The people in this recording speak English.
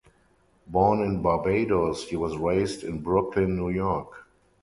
Born in Barbados, he was raised in Brooklyn, New York.